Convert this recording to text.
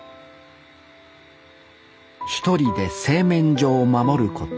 １人で製麺所を守ること